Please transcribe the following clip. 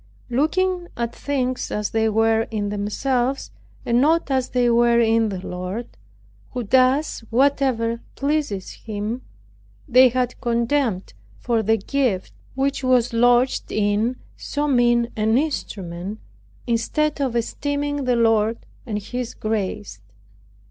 Looking at things as they were in themselves, and not as they were in the Lord, who does whatever pleases Him, they had contempt for the gift which was lodged in so mean an instrument, instead of esteeming the Lord and His grace.